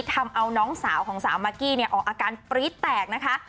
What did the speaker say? ทำเอาน้องสาวของสาวมากกี้เนี่ยออกอาการปรี๊ดแตกนะคะ